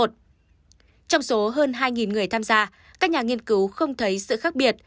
trong số hơn hai người tham gia các nhà nghiên cứu không thấy sự khác biệt